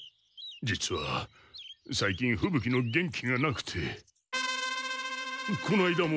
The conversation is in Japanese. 実は最近ふぶ鬼の元気がなくてこないだも。